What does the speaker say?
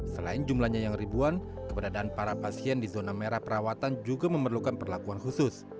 selain jumlahnya yang ribuan keberadaan para pasien di zona merah perawatan juga memerlukan perlakuan khusus